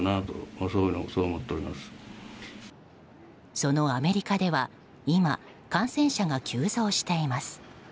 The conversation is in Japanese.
そのアメリカでは今感染者が急増しています。